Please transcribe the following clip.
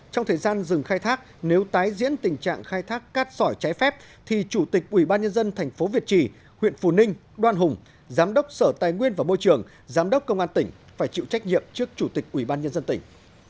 trong thời gian dừng khai thác nếu tái diễn tình trạng khai thác cát sỏi trái phép thì chủ tịch ủy ban nhân dân thành phố việt trì huyện phù ninh đoan hùng giám đốc sở tài nguyên và môi trường giám đốc công an tỉnh phải chịu trách nhiệm trước chủ tịch ủy ban nhân dân tỉnh